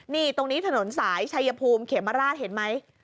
นี่ตรงนี้ถนนสายชัยภูมิเขมราชเห็นไหม